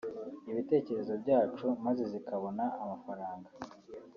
ibitekerezo byacu maze zikabona amafaranga